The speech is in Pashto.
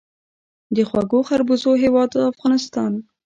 د خوږو خربوزو هیواد افغانستان.